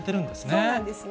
そうなんですね。